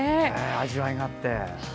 味わいがあって。